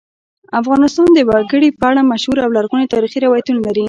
افغانستان د وګړي په اړه مشهور او لرغوني تاریخی روایتونه لري.